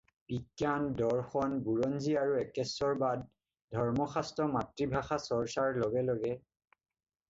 বিজ্ঞান, দৰ্শন, বুৰঞ্জী আৰু একেশ্বৰ-বাদ ধৰ্মশাস্ত্ৰ মাতৃভাষাৰ চৰ্চাৰ লগে লগে